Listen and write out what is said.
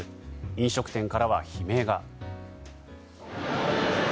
飲食店からは悲鳴が。